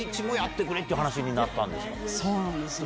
そうなんです。